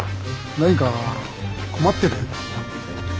何か困ってる？